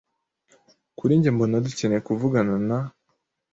Kuri njye mbona dukeneye kuvugana na .